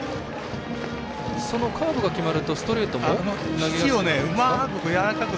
そのカーブが決まるとストレートも投げやすく？